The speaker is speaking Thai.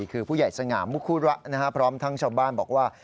คือผู้ใหญ่สง่ามุคุระพร้อมทั้งชาวบ้านบอกว่า